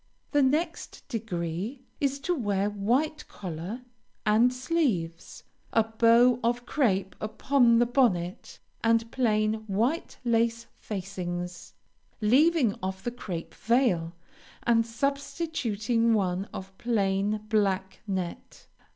The next degree is to wear white collar and sleeves, a bow of crape upon the bonnet, and plain white lace facings, leaving off the crape veil, and substituting one of plain black net.